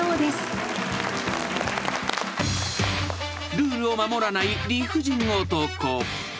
［ルールを守らない理不尽男］